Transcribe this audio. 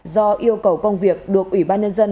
do yêu cầu công việc được ủy ban nhân dân